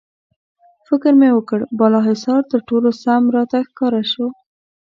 فکر مې وکړ، بالاحصار تر ټولو سم راته ښکاره شو.